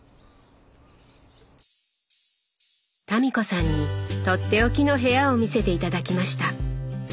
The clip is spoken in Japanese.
民子さんにとっておきの部屋を見せて頂きました。